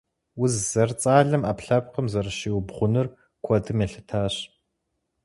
Уз зэрыцӀалэм Ӏэпкълъэпкъым зэрыщиубгъуныр куэдым елъытащ.